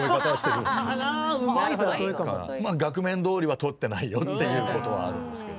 まあ額面どおりはとってないよっていうことはあるんですけど。